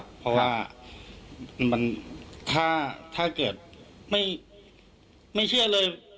เพราะว่าถ้าเกิดไม่เชื่อเลย